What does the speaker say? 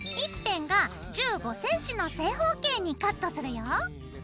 １辺が１５ｃｍの正方形にカットするよ。